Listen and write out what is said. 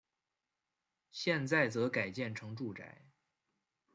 现在则改建成住宅。